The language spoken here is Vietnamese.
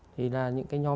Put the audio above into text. thì là những cái nhóm